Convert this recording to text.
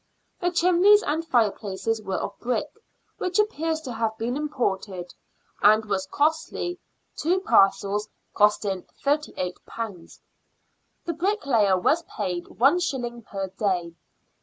The chimneys and fireplaces were of brick, which appears to have been imported, and was costly, two parcels costing ^^38. The bricklayer was paid one shilling per day.